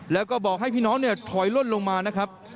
แล้วก็บอกให้พี่น้องเนี่ยถอยล่นลงมานะครับ